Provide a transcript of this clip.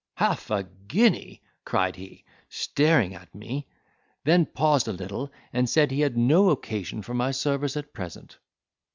"Half a guinea!" cried he, staring at me; then paused a little, and said, he had no occasion for my service at present.